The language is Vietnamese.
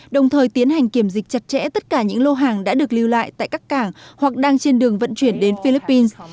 đồng thời tiến hành kiểm dịch chặt chẽ tất cả những lô hàng đã được lưu lại tại các cảng hoặc đang trên đường vận chuyển đến philippines